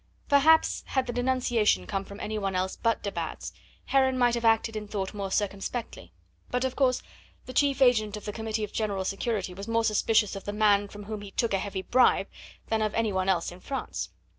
Perhaps had the denunciation come from any one else but de Batz, Heron might have acted and thought more circumspectly; but, of course, the chief agent of the Committee of General Security was more suspicious of the man from whom he took a heavy bribe than of any one else in France.